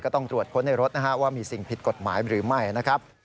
ต้องตรวจค้นในรถนะฮะว่ามีสิ่งผิดกฎหมายหรือไม่นะครับ